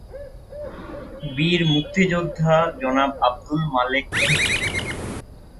বীর মুক্তিযোদ্ধা জনাব আব্দুল মালেক এমপি।